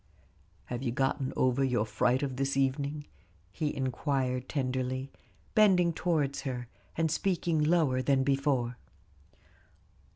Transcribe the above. "Have you gotten over your fright of this evening?" he inquired tenderly, bending towards her, and speaking lower than before.